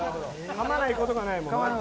かまないことがない。